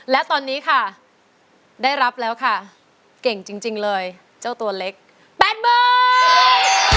และตอนนี้ค่ะได้รับแล้วค่ะเก่งจริงเลยเจ้าตัวเล็กแปดหมื่น